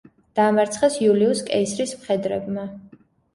დაამარცხეს იულიუს კეისრის მხედრებმა.